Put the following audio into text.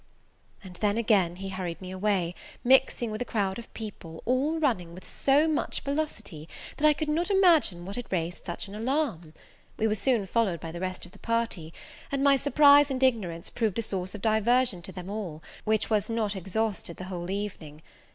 And then again he hurried me away, mixing with a crowd of people, all running with so much velocity, that I could not imagine what had raised such an alarm. We were soon followed by the rest of the party; and my surprise and ignorance proved a source of diversion to them all, which was not exhausted the whole evening.